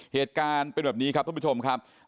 เหตุการณ์เป็นแบบนี้ครับท่านผู้ชมครับ